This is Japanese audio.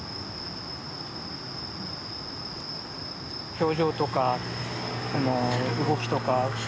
表情とか動きとか。